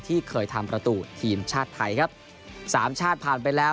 ที่เคยทำประตูทีมชาติไทยครับสามชาติผ่านไปแล้ว